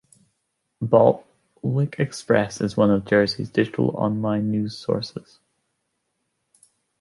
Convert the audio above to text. Bailiwick Express is one of Jersey's digital online news sources.